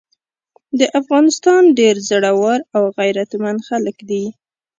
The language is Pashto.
د افغانستان ډير زړور او غيرتمن خلګ دي۔